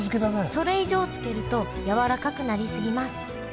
それ以上漬けるとやわらかくなり過ぎます。